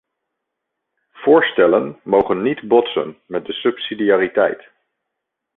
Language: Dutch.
Voorstellen mogen niet botsen met de subsidiariteit.